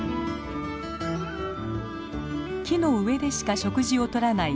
木の上でしか食事をとらない